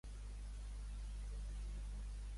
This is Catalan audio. Em podries dir quina hora és Hokkaido.